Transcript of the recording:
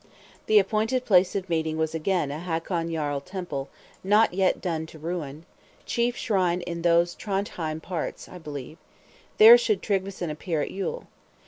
The appointed place of meeting was again a Hakon Jarl Temple, not yet done to ruin; chief shrine in those Trondhjem parts, I believe: there should Tryggveson appear at Yule.